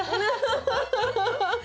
ハハハハッ。